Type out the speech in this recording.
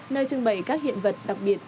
nơi trưng bày các hiện vật đặc biệt